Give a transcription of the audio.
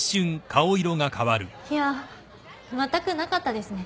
いやまったくなかったですね。